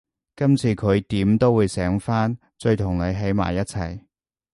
今次佢點都會醒返，再同你喺埋一齊